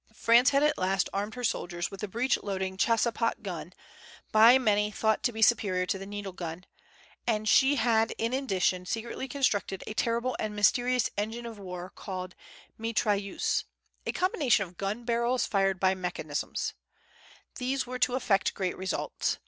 France had at last armed her soldiers with the breech loading chassepot gun, by many thought to be superior to the needle gun; and she had in addition secretly constructed a terrible and mysterious engine of war called mitrailleuse, a combination of gun barrels fired by mechanism. These were to effect great results.